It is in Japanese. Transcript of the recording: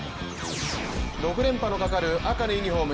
６連覇のかかる赤のユニフォーム